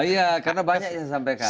iya karena banyak yang disampaikan